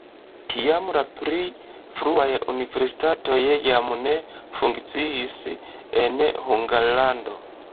Tiam la pli fruaj universitatoj jam ne funkciis en Hungarlando.